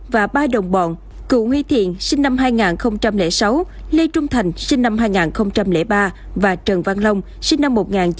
và ba đồng bọn cụ nguy thiện sinh năm hai nghìn sáu lê trung thành sinh năm hai nghìn ba và trần văn long sinh năm một nghìn chín trăm chín mươi bảy